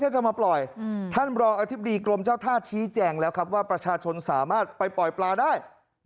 ถ้าจะมาปล่อยท่านรองอธิบดีกรมเจ้าท่าชี้แจงแล้วครับว่าประชาชนสามารถไปปล่อยปลาได้